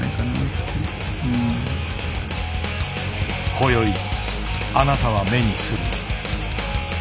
今宵あなたは目にする。